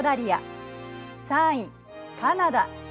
３位カナダ。